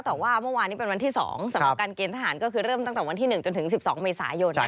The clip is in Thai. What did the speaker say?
แต่ว่าเมื่อวานนี้เป็นวันที่๒สำหรับการเกณฑหารก็คือเริ่มตั้งแต่วันที่๑จนถึง๑๒เมษายน